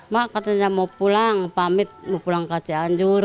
mak katanya mau pulang pamit mau pulang ke cianjur